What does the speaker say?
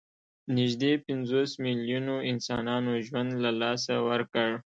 نږدې پنځوس میلیونو انسانانو ژوند له لاسه ورکړ.